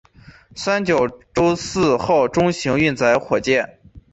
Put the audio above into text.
三角洲四号中型运载火箭。